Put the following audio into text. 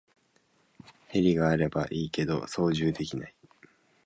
ヘリがあればいいけど操縦できない